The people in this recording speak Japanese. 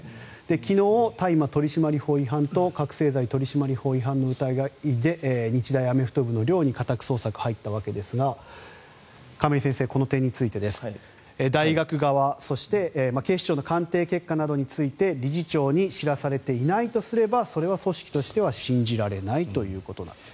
昨日、大麻取締法違反と覚せい剤取締法違反の疑いで日大アメフト部の寮に家宅捜索が入ったわけですが亀井先生、この点についてです。大学側警視庁の鑑定結果などについて理事長に知らされていないとすればそれは組織としては信じられないということです。